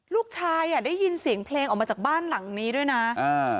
ลูกชายอ่ะได้ยินเสียงเพลงออกมาจากบ้านหลังนี้ด้วยนะอ่า